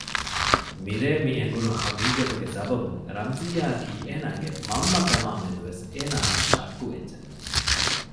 މިރޭ މި އެނގުނު ހަޤީޤަތުގެ ސަބަބުން ރަމްޒިއްޔާއަކީ އޭނާގެ މަންމަ ކަމާމެދުވެސް އޭނާއަށް ޝައްކުވެއްޖެ